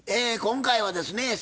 今回はですね